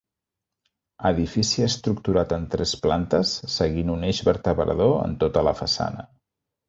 Edifici estructurat en tres plantes seguint un eix vertebrador en tota la façana.